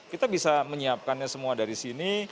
kita bisa menyiapkannya semua dari sini